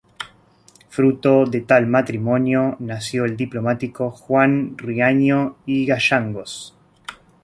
Fruto de tal matrimonio nació el diplomático Juan Riaño y Gayangos.